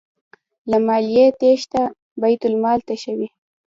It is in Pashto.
له مالیې تیښته بیت المال تشوي.